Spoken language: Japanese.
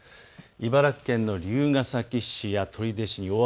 茨城県の龍ケ崎市や取手市に。